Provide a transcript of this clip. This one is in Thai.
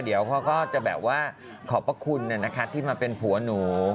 เดี๋ยวเขาก็จะแบบว่าขอบพระคุณที่มาเป็นผัวหนู